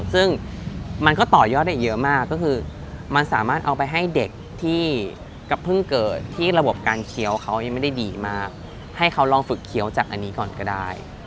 ซึ่งมันก็ต่อยอดได้เยอะมากก็คือมันสามารถเอาไปให้เด็กที่เพิ่งเกิดที่ระบบการเคี้ยวเขายังไม่ได้ดีมากให้เขาลองฝึกเคี้ยวจากอันนี้ก่อนก็ได้